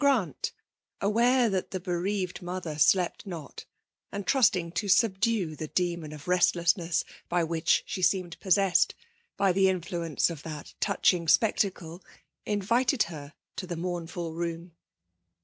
Gniint> aware tibat the bereaved BKother slept Hot, and trusting' to subdue the demon of restlessness by whioh she seemed possessed, by the influence of that touching spectacle, in* vited her to the mobmful room.